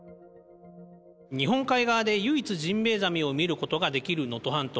日本海側で唯一ジンベエザメを見ることができる能登半島。